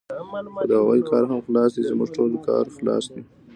خو د هغوی کار هم خلاص دی، زموږ ټولو کار خلاص دی.